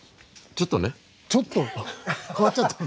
ちょっと変わっちゃったの？